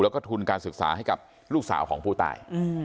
แล้วก็ทุนการศึกษาให้กับลูกสาวของผู้ตาย